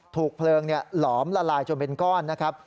ถูกเพลิงหลอมละลายจนเป็นก้อนนะครับ